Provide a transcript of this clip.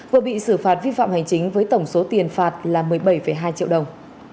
vừa bị xử phạt vi phạm hành chính với tổng số tiền phạt là một mươi bảy hai triệu đồng